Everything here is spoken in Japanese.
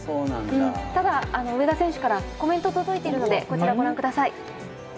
ただ、植田選手からコメント届いているので、御覧ください。